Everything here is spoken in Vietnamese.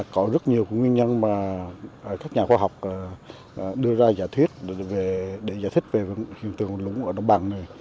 có rất nhiều nguyên nhân mà các nhà khoa học đưa ra giả thuyết để giải thích về hiện tượng lúng ở đồng bằng này